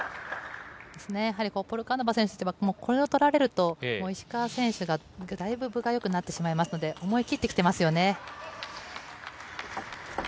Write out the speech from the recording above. やはりポルカノバ選手には、これを取られると、石川選手がだいぶ分がよくなってしまいますので、思い切ってきてますよね。